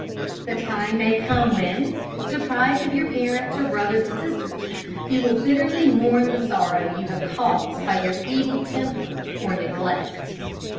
The time may come when, deprived of your parents or brothers and sisters, you will bitterly mourn the sorrow you have caused by your evil temper or neglect.